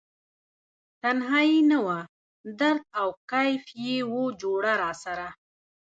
تنهایې نه وه درد او کیف یې و جوړه راسره